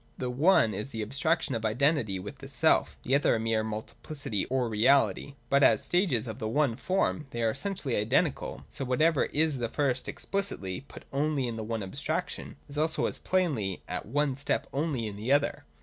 The one is the abstraction of identity with self; the other, of mere multiplicity or reality. But as stages of the one form, they are essentially identical : so that whatever is at first explicitly put only in the one abstraction, is also as plainly and at one step only in the other.